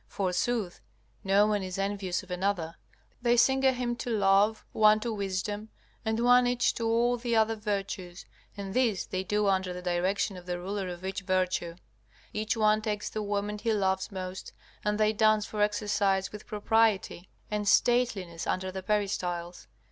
Forsooth, no one is envious of another. They sing a hymn to Love, one to Wisdom, and one each to all the other virtues, and this they do under the direction of the ruler of each virtue. Each one takes the woman he loves most, and they dance for exercise with propriety and stateliness under the peristyles.